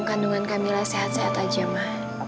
kandungan kamila sehat sehat aja ma